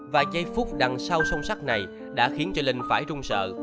và giây phút đằng sau sông sắc này đã khiến cho linh phải trung sợ